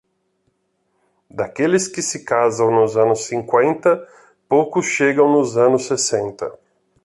Daqueles que se casam nos anos cinquenta, poucos chegam nos anos sessenta.